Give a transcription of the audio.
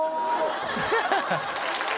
ハハハハ！